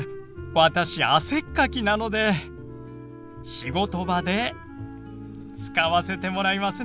私汗っかきなので仕事場で使わせてもらいますね。